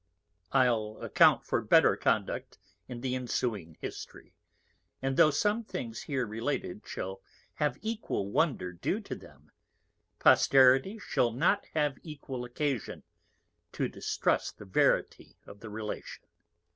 _I'll account for better Conduct in the ensuing History: and tho' some Things here related shall have equal Wonder due to them, Posterity shall not have equal Occasion to distrust the Verity of the Relation.